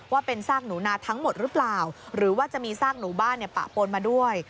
ว่าเป็นซากหนูนาทั้งหมดหรือเปล่าหรือว่าจะมีซากหนูบ้านปะปนมาด้วย